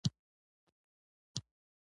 نعمت الله هروي یو تاریخ ولیکه.